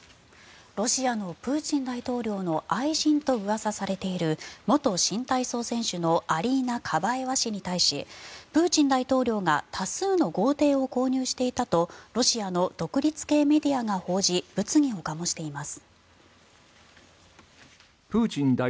ロシアのプーチン大統領の愛人とうわさされている元新体操選手のアリーナ・カバエワ氏に対しプーチン大統領が多数の豪邸を購入していたとロシアの独立系メディアが報じ物議を醸しています。